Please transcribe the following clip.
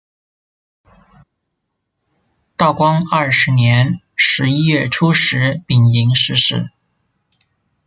道光二十年十一月初十丙寅逝世。